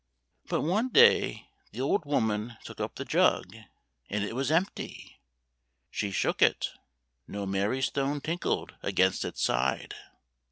But one day the old woman took up the jug — and it was empty! She shook it. No merry stone tinkled against its side.